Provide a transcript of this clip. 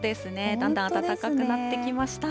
だんだん暖かくなってきました。